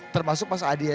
termasuk mas adi ya